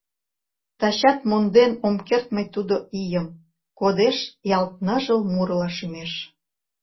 Тачат монден ом керт мый тудо ийым, кодеш ялт ныжыл мурыла шӱмеш.